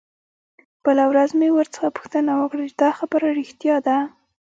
بله ورځ مې ورڅخه پوښتنه وکړه چې دا خبره رښتيا ده.